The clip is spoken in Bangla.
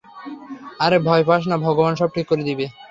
আরে, ভয় পাস না ভগবান সব ঠিক করে দিবে।